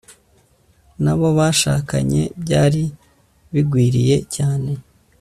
n'abo bashakanye byari bigwiriye cyane